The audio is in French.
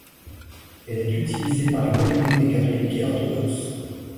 Elle est utilisée par les communautés catholique et orthodoxe.